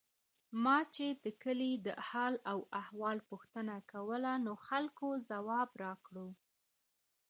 ما چې د کلي د حال او احوال پوښتنه کوله، نو خلکو ځواب راکړو.